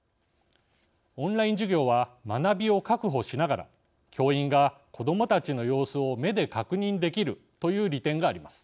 オンライン授業は学びを確保しながら教員が子どもたちの様子を目で確認できるという利点があります。